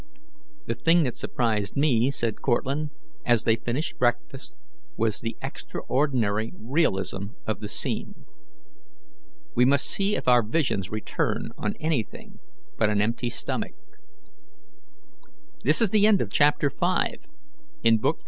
"The thing that surprised me," said Cortlandt, as they finished breakfast, "was the extraordinary realism of the scene. We must see if our visions return on anything but an empty stomach." CHAPTER VI. A GREAT VOID AND A GREAT LONGING.